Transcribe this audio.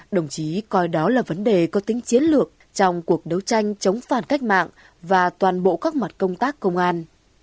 đồng chí coi đó là vấn đề có tính chiến lược trong cuộc đấu tranh chống phản cách mạng và toàn bộ các mặt công tác công an